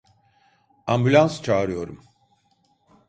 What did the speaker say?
Ambulans çağırıyorum.